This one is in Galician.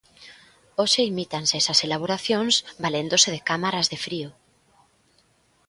Hoxe imítanse esas elaboracións valéndose de cámaras de frío.